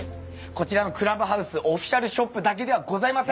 こちらのクラブハウスオフィシャルショップだけではございません。